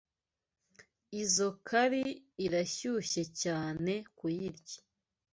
Izoi curry irashyushye cyane kuyirya.